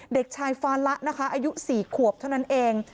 เด็กชายฟาละนะคะอายุ๔ขวบเท่านั้นเอง